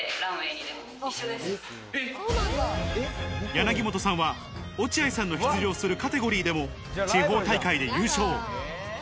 柳本さんは、落合さんの出場するカテゴリーでも地方大会で優勝。